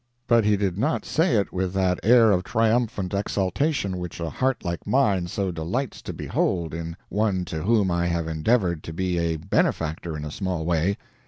But he did not say it with that air of triumphant exultation which a heart like mine so delights to behold in one to whom I have endeavored to be a benefactor in a small way.